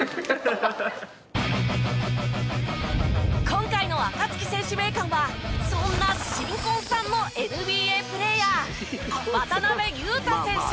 今回のアカツキ選手名鑑はそんな新婚さんのＮＢＡプレーヤー渡邊雄太選手。